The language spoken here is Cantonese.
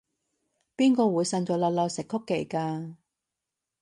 邊個會晨早流流食曲奇㗎？